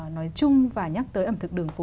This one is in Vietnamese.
nói chung và nhắc tới ẩm thực đường phố